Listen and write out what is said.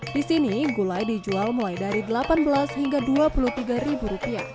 di sini gulai dijual mulai dari rp delapan belas hingga rp dua puluh tiga